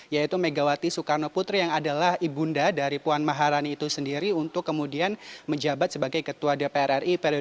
yaitu megawati soekarno putri yang adalah ibunda dari puan maharani itu sendiri untuk kemudian menjabat sebagai ketua dpr ri periode dua ribu dua puluh